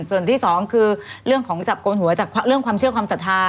ส่วนที่สองคือเรื่องของจับโกนหัวจากเรื่องความเชื่อความศรัทธา